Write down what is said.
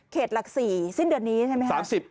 เขตหลัก๔สิ้นเดือนนี้ใช่ไหมฮะ